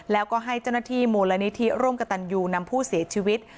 แล้วก็ให้เจ้าหน้าที่มูลนิธิร่วมกับตันยูนำผู้เสียชีวิต